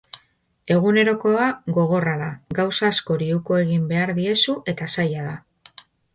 Egunerokoa gogorra da, gauza askori uko egin behar diezu eta zaila da.